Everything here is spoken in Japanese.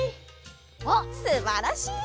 おっすばらしい！